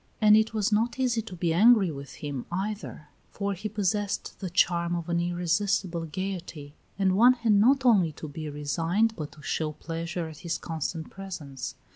And it was not easy to be angry with him, either; for he possessed the charm of an irresistible gayety, and one had not only to be resigned but to show pleasure at his constant presence.